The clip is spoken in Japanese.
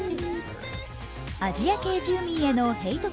アジア系住民へのヘイト